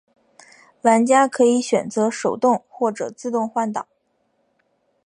玩家可以选择手动或者自动换挡。